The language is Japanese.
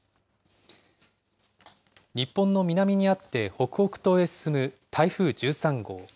日本の南にあって北北東へ進む台風１３号。